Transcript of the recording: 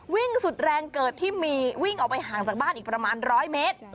วิ่งสุดแรงเกิดที่มีวิ่งออกไปห่างจากบ้านอีกประมาณ๑๐๐เมตร